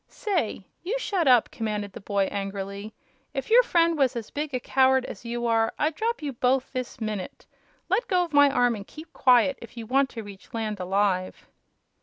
"Say, you shut up!" commanded the boy, angrily. "If your friend was as big a coward as you are I'd drop you both this minute. Let go my arm and keep quiet, if you want to reach land alive."